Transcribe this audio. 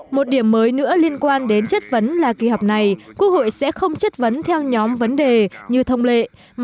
một điểm mới nữa liên quan đến chất vấn là kỳ họp này quốc hội sẽ không chất vấn theo nhóm vấn đề như thông lệ